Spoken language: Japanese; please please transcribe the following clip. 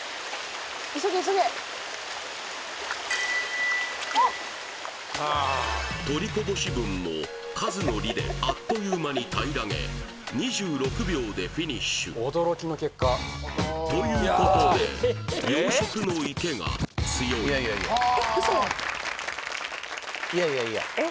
急げ急げ取りこぼし分も数の利であっという間にたいらげ２６秒でフィニッシュということで養殖の池が強いいやいやいや嘘？